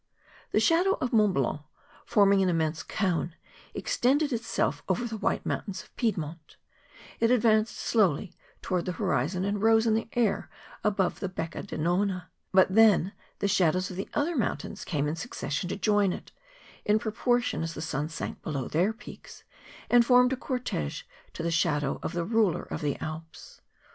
The shadow of IMont Blanc, forming an immense cone, extended itself over the white moun¬ tains of Piedmont: it advanced slowly towards the horizon, and rose in the air above the Becca di Nonna; but then the shadows of the other moun¬ tains came in succession to join it, in proportion as the sun sank below their peaks, and formed a cortege to the shadow of the ruler of the Alps.